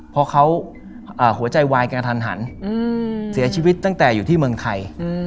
เพราะเขาหัวใจวายกระทันหันเสียชีวิตตั้งแต่อยู่ที่เมืองไทย